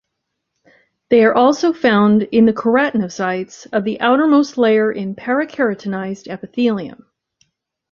They are also found in the keratinocytes of the outermost layer in parakeratinised epithelium.